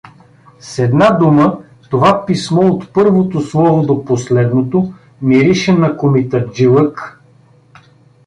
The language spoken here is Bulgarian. С една дума, това писмо от първото слово до последното мирише на комитаджилък.